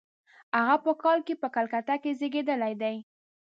هغه په کال کې په کلکته کې زېږېدلی دی.